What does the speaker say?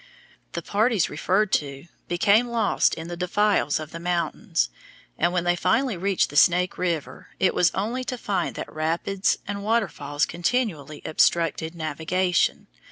The parties referred to became lost in the defiles of the mountains, and when they finally reached the Snake River it was only to find that rapids and waterfalls continually obstructed navigation.